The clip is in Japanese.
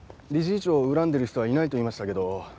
理事長を恨んでる人はいないと言いましたけど。